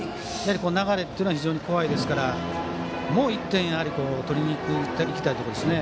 流れというのは非常に怖いですからもう１点取りにいきたいところですね。